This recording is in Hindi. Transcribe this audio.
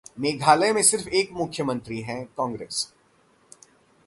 मेघालय में सिर्फ एक मुख्यमंत्री है: कांग्रेस